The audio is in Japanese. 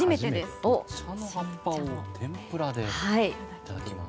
お茶の葉っぱを天ぷらでいただきます。